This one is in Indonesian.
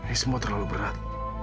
ini semua terlalu berat